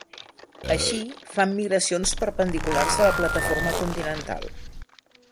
Així, fan migracions perpendiculars a la plataforma continental.